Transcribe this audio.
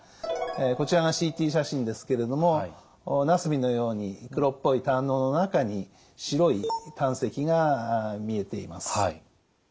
こちらがＣＴ写真ですけれどもナスビのように黒っぽい胆のうの中に白い胆石が見えています。